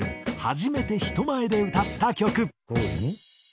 初めて人前で歌った曲。